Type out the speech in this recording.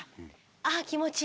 ああ気持ちいい。